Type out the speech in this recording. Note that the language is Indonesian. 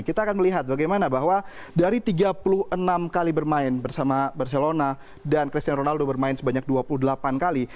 kita akan melihat bagaimana bahwa dari tiga puluh enam kali bermain bersama barcelona dan cristiano ronaldo bermain sebanyak dua puluh delapan kali